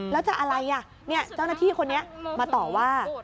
แล้วจะอะไรเจ้าหน้าที่คนนี้มาต่อว่า